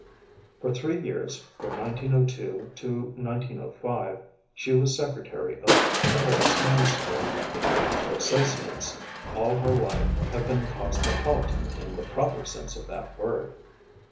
For three years, from 1902 to 1905, she was secre tary of the Horace Mann School. Her associates all her life have been cosmopolitan in the proper sense of that word.